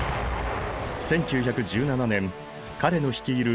１９１７年彼の率いる